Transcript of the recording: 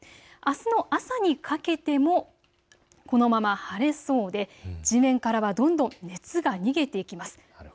あすの朝にかけてもこのまま晴れそうで地面からはどんどん熱が逃げていきます。